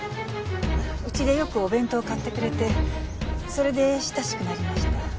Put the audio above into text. うちでよくお弁当を買ってくれてそれで親しくなりました。